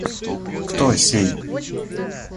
Кто сей?